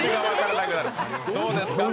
どうですか？